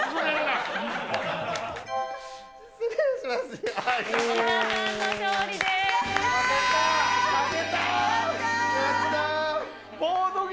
失礼しますね。